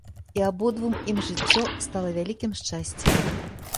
І абодвум ім жыццё стала вялікім шчасцем.